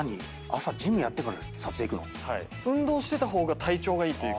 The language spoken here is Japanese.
朝ジムやってから撮影行くの⁉運動してた方が体調がいいというか。